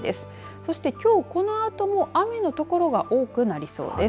そしてきょうこのあとも雨の所が多くなりそうです。